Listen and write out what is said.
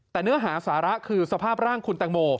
แต่เนื้อหาสาระคือสภาพร่างคุณแตงโม